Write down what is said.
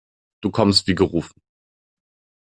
Du kommst wie gerufen.